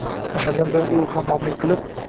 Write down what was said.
O’shandan buyon u hammollik qilib